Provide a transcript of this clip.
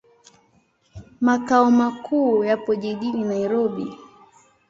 Makao makuu yapo jijini Nairobi.